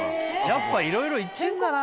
やっぱいろいろ行ってんだな。